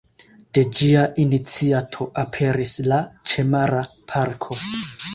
De ĝia iniciato aperis la ĉemara parko.